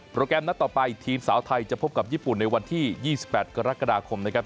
แกรมนัดต่อไปทีมสาวไทยจะพบกับญี่ปุ่นในวันที่๒๘กรกฎาคมนะครับ